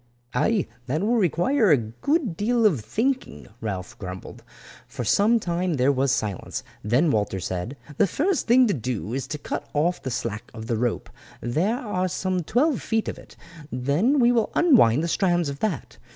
"Aye, that will require a good deal of thinking," Ralph grumbled. For some time there was silence; then Walter said, "The first thing to do is to cut off the slack of the rope, there are some twelve feet of it. Then we will unwind the strands of that.